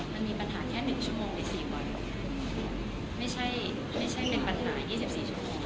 มันมีปัญหาแค่หนึ่งชั่วโมงไปสี่กว่าไม่ใช่ไม่ใช่เป็นปัญหายี่สิบสี่ชั่วโมงค่ะ